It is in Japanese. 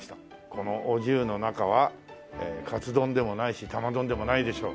このお重の中はカツ丼でもないし玉丼でもないでしょう。